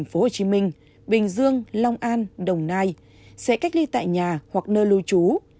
tp hcm bình dương long an đồng nai sẽ cách ly tại nhà hoặc nơi lưu trú